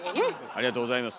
ありがとうございます。